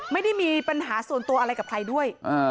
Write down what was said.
ไม่ได้มีปัญหาส่วนตัวอะไรกับใครด้วย